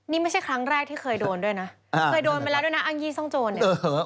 นี่ไม่ใช่ครั้งแรกที่เคยโดนด้วยนะเคยโดนมาแล้วด้วยนะอ้างยี่ซ่องโจรเนี่ย